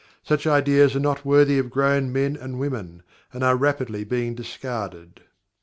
Such ideas are not worthy of grown men and women, and are rapidly being discarded.